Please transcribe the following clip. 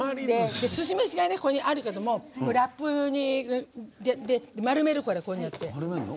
すし飯がここにあるけどもラップで丸める、こうやって。